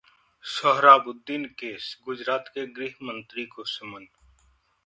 Sohrabuddin case: Gujarat के गृहमंत्री को समन